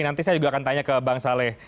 nanti saya juga akan tanya ke bang saleh